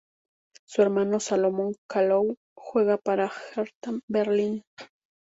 Su hermano, Salomon Kalou, juega para el Hertha Berlín.